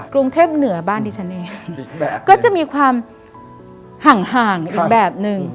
กรุงเทพเหนือบ้านดิฉันเองก็จะมีความห่างห่างอีกแบบหนึ่ง